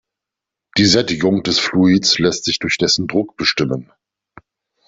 Die Sättigung des Fluids lässt sich durch dessen Druck bestimmen.